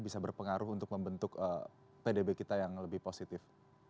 bisa berpengaruh untuk membentuk pdb kita yang lebih positif